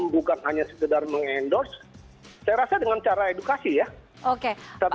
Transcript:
bukan hanya sekedar meng endorse saya rasa dengan cara edukasi ya satu satunya